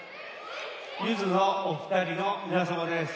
ゆずのお二人の皆様です！